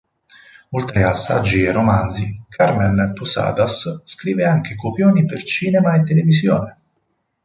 Oltre a saggi e romanzi, Carmen Posadas scrive anche copioni per cinema e televisione.